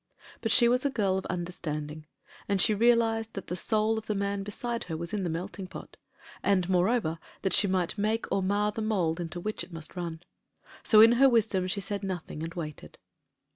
But she was a girl of understanding, and she realised that the soul of the man beside her was in the melting pot ; and, moreover, that she might make or mar the mould into which it must run. So in her wisdom she said nothing, and waited.